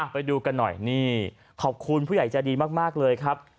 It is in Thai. ไปดูกันหน่อยนี่ขอบคุณผู้ใหญ่ใจดีมากเลยครับ